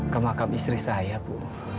kemakam istri saya bu